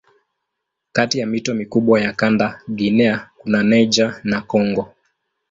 Kati ya mito mikubwa ya kanda Guinea kuna Niger na Kongo.